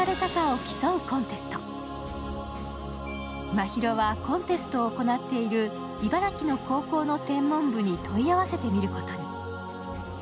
真宙はコンテストを行っている茨城の高校の天文部に問い合わせてみることに。